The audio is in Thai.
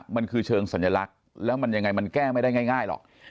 มันคือเชิงสัญลักษณ์แล้วมันยังไงมันแก้ไม่ได้ง่ายหรอก